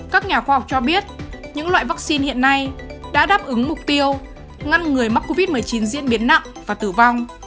các nhà khoa học cho biết những loại vaccine hiện nay đã đáp ứng mục tiêu ngăn người mắc covid một mươi chín diễn biến nặng và tử vong